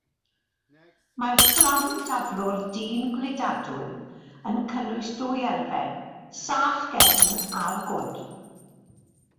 Mae'r fflam-daflwr dyn-gludadwy yn cynnwys dwy elfen: sach gefn a'r gwn.